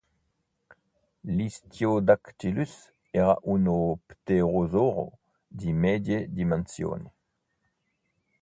L’"Istiodactylus" era uno pterosauro di medie dimensioni.